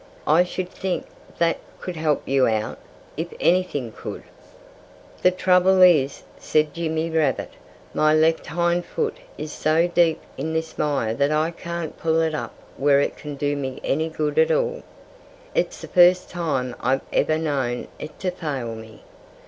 "I should think that could help you out, if anything could." "The trouble is," said Jimmy Rabbit, "my left hind foot is so deep in this mire that I can't pull it up where it can do me any good at all. It's the first time I've ever known it to fail me.